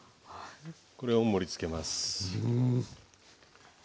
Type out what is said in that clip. これを盛りつけます。